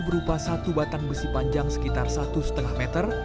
berupa satu batang besi panjang sekitar satu lima meter